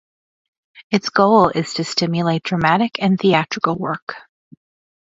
Its goal is to stimulate dramatic and theatrical work.